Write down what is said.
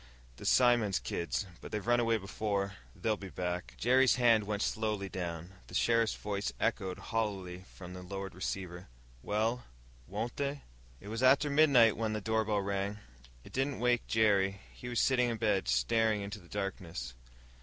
"The Simmons kids. But they've run away before. They'll be back." Jerry's hand went slowly down. The sheriff's voice echoed hollowly from the lowered receiver. "Well, won't they?" It was after midnight when the doorbell rang. It didn't wake Jerry he was sitting in bed, staring into the darkness.